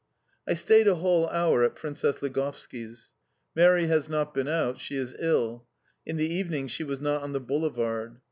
I stayed a whole hour at Princess Ligovski's. Mary has not been out, she is ill. In the evening she was not on the boulevard.